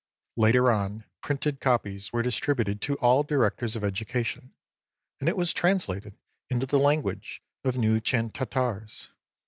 Later on, printed copies were distributed to all directors of education, and it was translated into the language of the Nii chen Tartars.